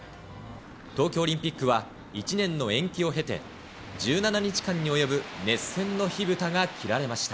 東京オリンピックは１年の延期を経て、１７日間に及ぶ熱戦の火ぶたが切られました。